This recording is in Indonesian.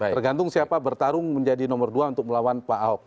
tergantung siapa bertarung menjadi nomor dua untuk melawan pak ahok